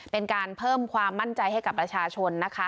เป็นการเพิ่มความมั่นใจให้กับประชาชนนะคะ